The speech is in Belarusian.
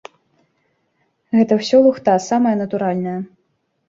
Гэта ўсё лухта самая натуральная.